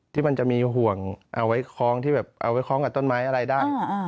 ที่มันจะมีห่วงเอาไว้คล้องกับต้นไม้อะไรได้